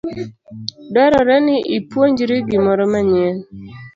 Dwarore ni ipuonjri gimoro manyien.